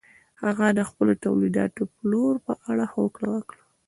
هغه د خپلو تولیداتو پلور په اړه هوکړه وکړه.